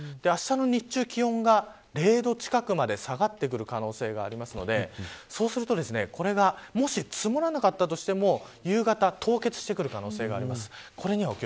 あしたの日中、気温が０度くらいまで下がってくる可能性がありますのでそうすると、これがもし積もらなかったとしても夕方、凍結してくる可能性があります。